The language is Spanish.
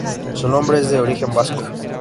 Su nombre es de origen vasco.